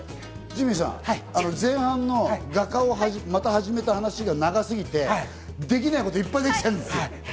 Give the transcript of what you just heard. ジミーさん、前半の画家をまた始めた話が長すぎて、できないこといっぱい出てきたんですよ。